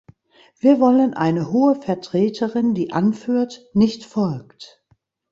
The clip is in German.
Wir wollen eine Hohe Vertreterin, die anführt, nicht folgt.